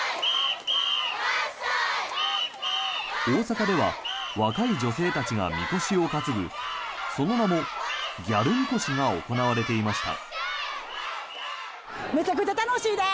大阪では若い女性たちがみこしを担ぐその名もギャルみこしが行われていました。